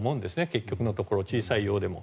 結局のところ小さいようでも。